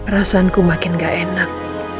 rasanku makin gak enak